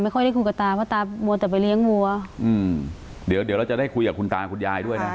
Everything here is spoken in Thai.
ค่อยได้คุยกับตาเพราะตามัวแต่ไปเลี้ยงวัวอืมเดี๋ยวเดี๋ยวเราจะได้คุยกับคุณตาคุณยายด้วยนะ